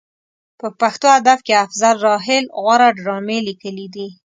په پښتو ادب کې افضل راحل غوره ډرامې لیکلې دي.